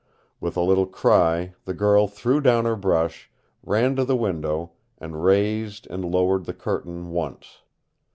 With a little cry the girl threw down her brush, ran to the window, and raised and lowered the curtain once.